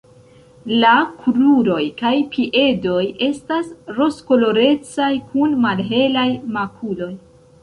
La kruroj kaj piedoj estas rozkolorecaj kun malhelaj makuloj.